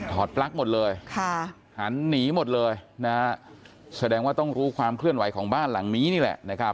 ถอดปลั๊กหมดเลยหันหนีหมดเลยแสดงว่าต้องรู้ความเคลื่อนไหวของบ้านหลังนี้นี่แหละ